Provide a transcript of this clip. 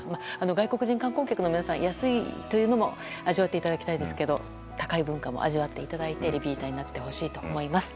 外国人観光客の皆さん安いというのも味わっていただきたいですが高い文化も味わっていただいてリピーターになってほしいと思います。